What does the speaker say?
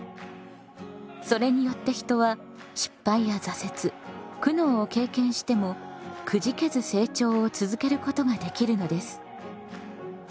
それによって人は失敗や挫折苦悩を経験してもくじけず成長を続けることができるのです。